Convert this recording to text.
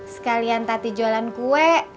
sekalian tati jualan kue